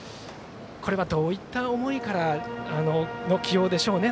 これはどういった思いからの起用でしょうね